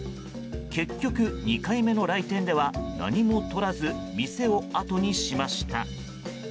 結局、２回目の来店では何もとらず店をあとにしました。